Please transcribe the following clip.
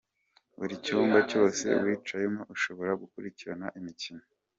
Buri cyumba cyose wicayemo ushobora gukurikirana imikino.